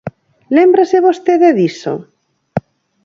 ¿Lémbrase vostede diso?